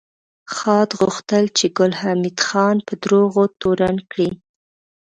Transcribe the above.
خاد غوښتل چې ګل حمید خان په دروغو تورن کړي